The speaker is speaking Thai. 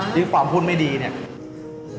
ที่ความพูดไม่ดีเนี่ย